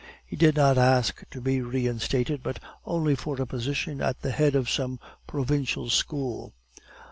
He did not ask to be reinstated, but only for a position at the head of some provincial school.